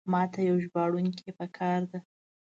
ماته یو ژباړونکی پکار ده.